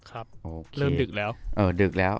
เริ่มดึกแล้ว